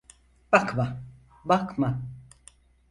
Bakma, bakma.